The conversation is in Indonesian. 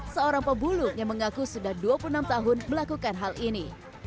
seorang pebulu yang mengaku sudah dua puluh enam tahun melakukan hal ini